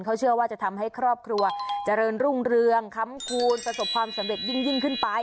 เขาเชื่อว่าจะทำให้ครอบครัวเจริญรุ่งเรืองค้ำคูณประสบความสำเร็จยิ่งขึ้นไป